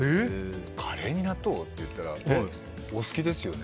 カレーに納豆？って言ったらお好きですよね？